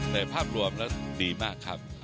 ภาพรวมแล้วดีมากครับ